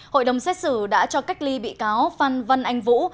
hội đồng xét xử đã cho cách ly bị cáo phan văn anh vũ